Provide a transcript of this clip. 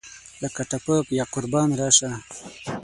لکه ټپه پۀ یاقربان راسه !